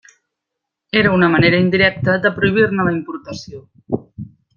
Era una manera indirecta de prohibir-ne la importació.